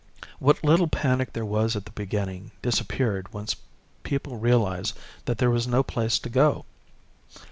What little panic there was at the beginning disappeared once people realized that there was no place to go.